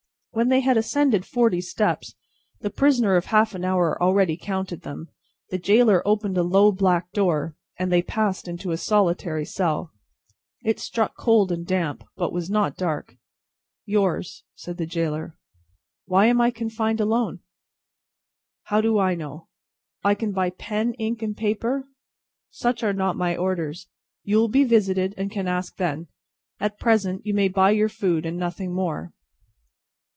When they had ascended forty steps (the prisoner of half an hour already counted them), the gaoler opened a low black door, and they passed into a solitary cell. It struck cold and damp, but was not dark. "Yours," said the gaoler. "Why am I confined alone?" "How do I know!" "I can buy pen, ink, and paper?" "Such are not my orders. You will be visited, and can ask then. At present, you may buy your food, and nothing more."